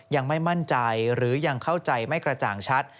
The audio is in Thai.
ยังไม่มั่นใจหรือยังเข้าใจไม่กระจ่างชัด